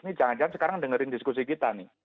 ini jangan jangan sekarang dengerin diskusi kita nih